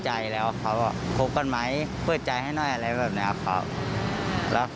จะทำความสัญญาที่เคยให้ไว้ครับ